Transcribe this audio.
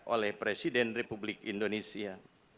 oleh presiden republik indonesia